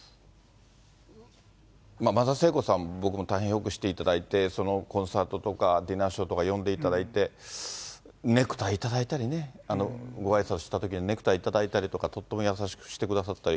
松田聖子さん、僕も大変よくしていただいて、コンサートとかディナーショーとか呼んでいただいて、ネクタイ頂いたりね、ごあいさつしたときに、ネクタイ頂いたりとか、とっても優しくしてくださったり。